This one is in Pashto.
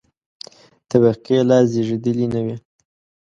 طبقې لا زېږېدلې نه وې.